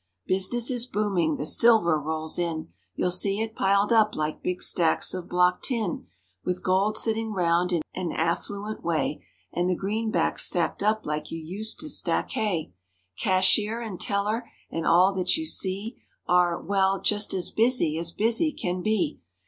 19 Business is booming—the silver rolls in; You'll see it piled up like big stacks of block tin, With gold sitting round in an affluent way, And the greenbacks stacked up like you used to stack hay. Cashier and teller and all that you see Are, well, just as busy as busy can be.